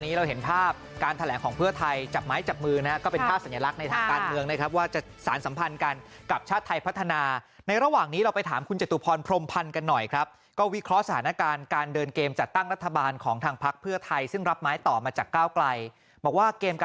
เราเห็นภาพการแถลงของเพื่อไทยจับไม้จับมือนะก็เป็นภาพสัญลักษณ์ในทางการเมืองนะครับว่าจะสารสัมพันธ์กันกับชาติไทยพัฒนาในระหว่างนี้เราไปถามคุณจตุพรพรมพันธ์กันหน่อยครับก็วิเคราะห์สถานการณ์การเดินเกมจัดตั้งรัฐบาลของทางพักเพื่อไทยซึ่งรับไม้ต่อมาจากก้าวไกลบอกว่าเกมก